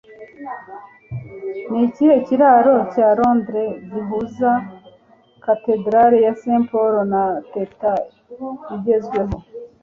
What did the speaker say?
Ni ikihe kiraro cya Londres gihuza Katedrali ya St Paul na Tate igezweho?